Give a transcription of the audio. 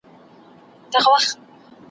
بیا په قهر په چغارو